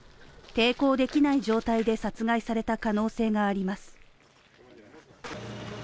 抵抗できない状態で殺害された可能性があります。